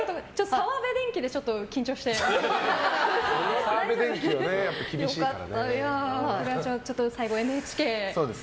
澤部電気でちょっと緊張しちゃって。